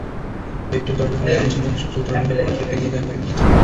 লিফটের দরজা খোলার সঙ্গে সঙ্গে হাস্যোজ্জ্বল তরুণীরা পর্যটকদের নিয়ে যান গাইডের কাছে।